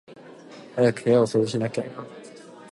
早く部屋を掃除しなきゃ